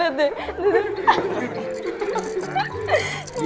liat liat udah liat dong